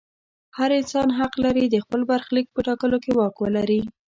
هر انسان حق لري د خپل برخلیک په ټاکلو کې واک ولري.